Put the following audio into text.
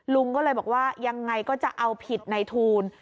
ลุงก็เลยบอกว่ายังไงก็จะเอาผิดในทูล